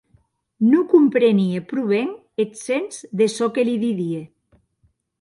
Non comprenie pro ben eth sens de çò que li didie.